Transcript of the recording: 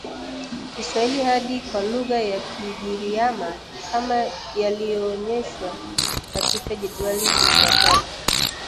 Kiswahili hadi kwa lugha ya Kigiriama kama yalivyoonyeshwa katika jedwali lifuatalo